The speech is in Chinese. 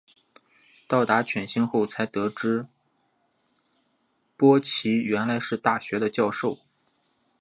到达犬星后才得知波奇原来是大学的教授。